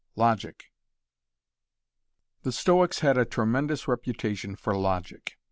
LOGIC The Stoics had a tremendous reputation for logic.